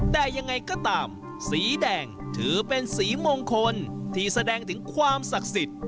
แต่ยังไงก็ตามสีแดงถือเป็นสีมงคลที่แสดงถึงความศักดิ์สิทธิ์